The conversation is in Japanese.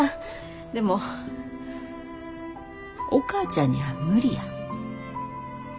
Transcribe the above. でもお母ちゃんには無理や。